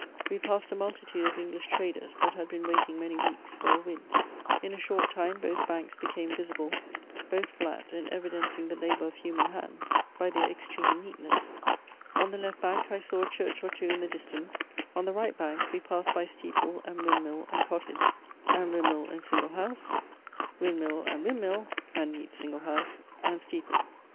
We passed a multitude of English traders that had been waiting many weeks for a wind. In a short time both banks became visible, both flat and evidencing the labour of human hands by their extreme neatness. On the left bank I saw a church or two in the distance; on the right bank we passed by steeple and windmill and cottage, and windmill and single house, windmill and windmill, and neat single house, and steeple.